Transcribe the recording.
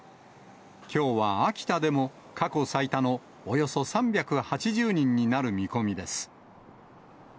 きょうは秋田でも、過去最多のおよそ３８０人になる見込みです。